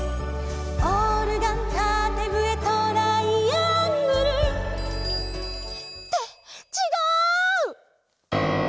「オルガンたてぶえトライアングル」ってちがう！